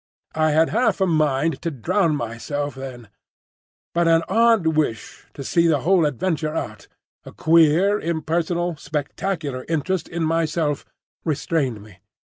I had half a mind to drown myself then; but an odd wish to see the whole adventure out, a queer, impersonal, spectacular interest in myself, restrained me.